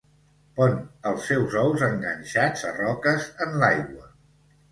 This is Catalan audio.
Pon els seus ous enganxats a roques en l'aigua.